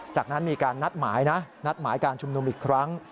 จากนั้นมีการนัดหมายนะนัดหมายการชุมนุมอีกครั้ง